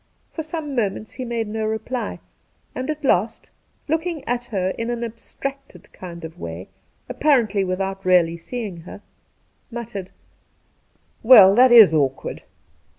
For some moments he made no reply, and at last, looking at her in an abstracted kind of way, apparently without really seeing her, muttered :• Well, that is awkward